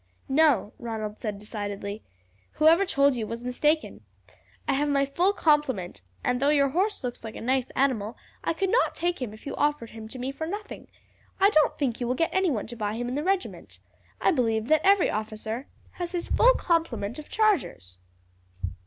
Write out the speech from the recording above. "No," Ronald said decidedly. "Whoever told you was mistaken. I have my full complement, and though your horse looks a nice animal I could not take him if you offered him to me for nothing. I don't think you will get anyone to buy him in the regiment. I believe that every officer has his full complement of chargers."